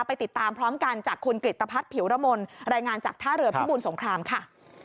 ไปติดตามพร้อมกันจากคุณกริตภัทรผิวรมนต์รายงานจากท่าเรือพิบูรสงครามค่ะ